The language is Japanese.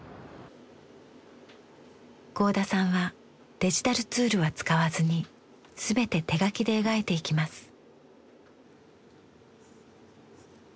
合田さんはデジタルツールは使わずに全て手描きで描いていきます。